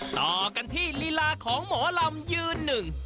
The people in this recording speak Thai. ต่อกันที่ลีลาของหมอลำยืนหนึ่ง